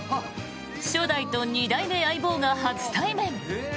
初代と２代目相棒が初対面！